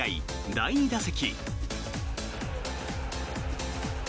第２打席。